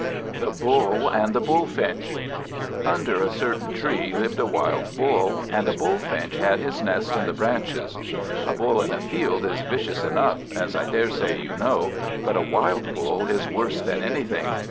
The Bull and the Bullfinch UNDER a certain tree lived a wild Bull, and a Bullfinch had his nest in the branches. A Bull in a field is vicious enough, as I daresay you know; but a wild Bull is worse than anything.